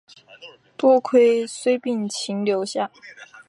多亏孙膑说情留下。